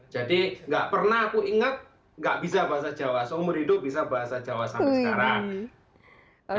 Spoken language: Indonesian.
jadi nggak pernah aku ingat nggak bisa bahasa jawa seumur hidup bisa bahasa jawa sampai sekarang